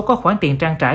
có khoản tiền trang trải